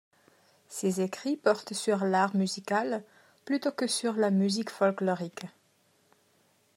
Ses écrits portent sur l'art musical plutôt que sur la musique folklorique.